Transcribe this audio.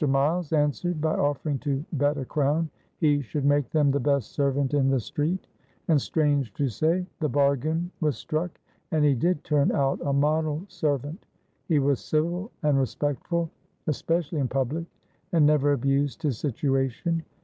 Miles answered by offering to bet a crown he should make them the best servant in the street; and, strange to say, the bargain was struck and he did turn out a model servant. He was civil and respectful, especially in public, and never abused his situation.